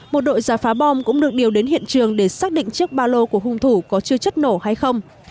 một đội giả phá bom cũng được điều đến hiện trường để xác định chiếc ba lô của hung thủ có chứa chất nổ hay không